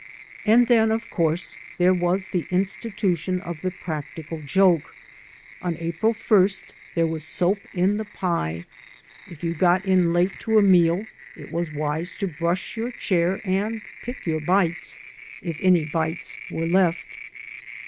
And then, of course, there was the institution of the practical joke. On April 1st there was soap in the pie. If you got in late to a meal, it was wise to brush your chair and "pick your bites," if any bites were left.